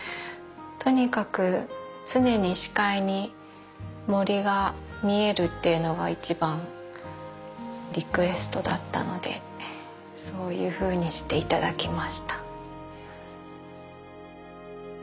とにかく常に視界に森が見えるっていうのが一番リクエストだったのでそういうふうにして頂きました。